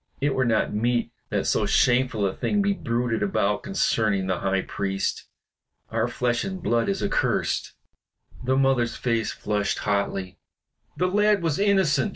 It were not meet that so shameful a thing be bruited about concerning the High Priest. Our flesh and blood is accursed." The mother's face flushed hotly. "The lad was innocent!"